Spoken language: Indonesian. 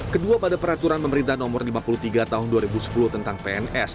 kedua pada peraturan pemerintah nomor lima puluh tiga tahun dua ribu sepuluh tentang pns